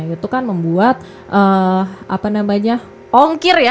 itu kan membuat apa namanya ongkir ya